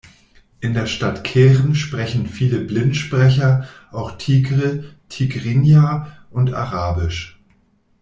In der Stadt Keren sprechen viele Blin-Sprecher auch Tigre, Tigrinya und Arabisch.